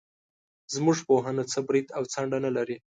زموږ پوهنه څه برید او څنډه نه لري.